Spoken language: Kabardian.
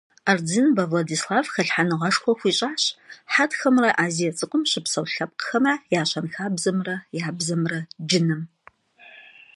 Ардзинбэ Владислав хэлъхьэныгъэшхуэ хуищӀащ хьэтхэмрэ Азие ЦӀыкӀум щыпсэу лъэпкъхэмрэ я щэнхабзэмрэ я бзэмрэ джыным.